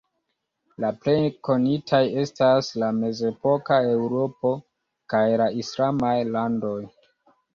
La plej konitaj estas la mezepoka Eŭropo, kaj la islamaj landoj.